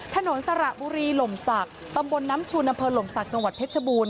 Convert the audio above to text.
สระบุรีหล่มศักดิ์ตำบลน้ำชุนอำเภอหล่มศักดิ์จังหวัดเพชรบูรณ